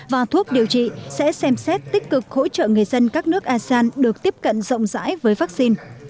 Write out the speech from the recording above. và thuốc điều trị sẽ xem xét tích cực hỗ trợ người dân các nước asean được tiếp cận rộng rãi với vaccine